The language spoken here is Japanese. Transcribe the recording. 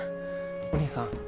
お義兄さん。